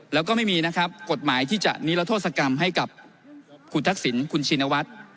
แล้วก็ไม่มีนะครับกฎหมายที่จะนิรโทษกรรมให้กับคุณทักษิณคุณชินวัฒน์